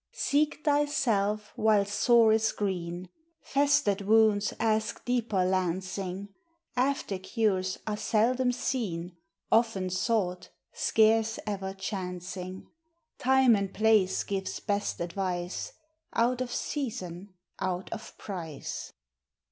342 THE HIGHER LIFE. Seeke thy salve while sore is greene, Festered wounds aske deeper launcing; After cures are seldome seene, Often sought, scarce ever chancing. Time and place gives best advice. Out of season, out of price.